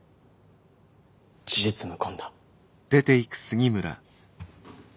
事実無根だ。